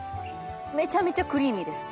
めちゃめちゃクリーミーです。